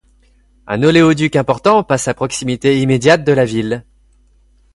Un oléoduc important passe à proximité immédiate de la ville.